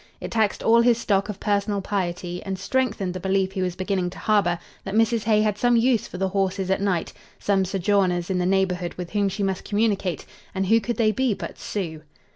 It taxed all his stock of personal piety, and strengthened the belief he was beginning to harbor, that Mrs. Hay had some use for the horses at night some sojourners in the neighborhood with whom she must communicate, and who could they be but Sioux?